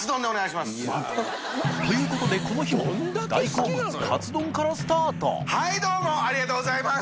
この日も大好物カツ丼からスタート淵船礇鵝はいどうもありがとうございます！